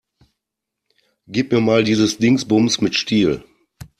Gib mir mal dieses Dingsbums mit Stiel.